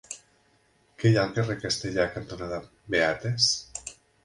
Què hi ha al carrer Castellar cantonada Beates?